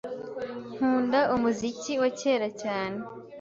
Nkunda umuziki wa kera cyane.